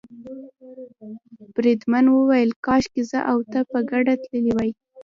بریدمن وویل کاشکې زه او ته په ګډه تللي وای.